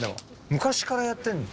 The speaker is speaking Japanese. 昔からやってるの？